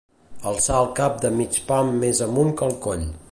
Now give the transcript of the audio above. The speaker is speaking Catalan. Alçar el cap de mig pam més amunt que el coll.